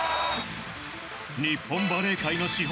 日本バレー界の至宝